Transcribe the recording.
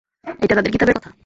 এটা তাদের কিতাবের কথা।